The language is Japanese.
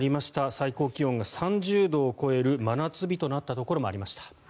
最高気温が３０度を超える真夏日となったところもありました。